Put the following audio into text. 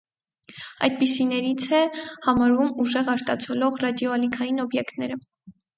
Այդպիսիներց է համարվում ուժեղ արտացոլող ռադիոալիքային օբյեկտները։